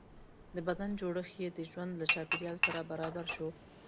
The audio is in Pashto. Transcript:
د بدن جوړښت یې د ژوند له چاپېریال سره برابر شو.